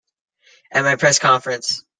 At my press conference.